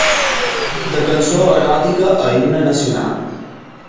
De cançó eròtica a himne nacional.